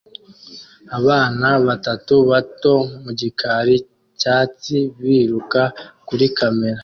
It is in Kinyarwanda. Abana batatu bato mu gikari cyatsi biruka kuri kamera